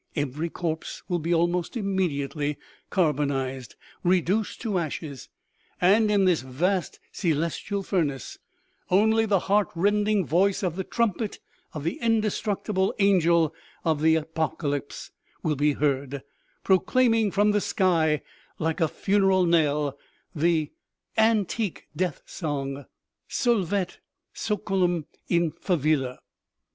Every corpse will be almost immediately car bonized, reduced to ashes, and in this vast celestial fur nace only the heart rending voice of the trumpet of the indestructible angel of the Apocalypse will be heard, pro claiming from the sky, like a funeral knell, the antique death song :' Solvet sseculum in favilla.'